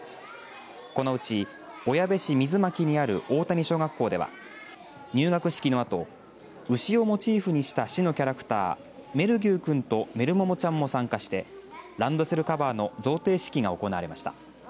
このうち小矢部市水牧にある大谷小学校では入学式のあと牛をモチーフにした市のキャラクターメルギューくんとメルモモちゃんも参加してランドセルカバーの贈呈式が行われました。